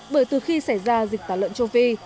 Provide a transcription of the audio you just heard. bởi từ khi xảy ra dịch tả lợn châu phi